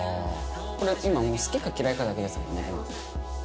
これ今好きか嫌いかだけですもんね。